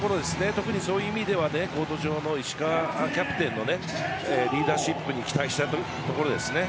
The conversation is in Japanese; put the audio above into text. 特にそういう意味ではコート上の石川キャプテンのリーダーシップに期待したいところですね。